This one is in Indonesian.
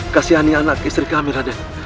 kasihan ini anak istri kami raden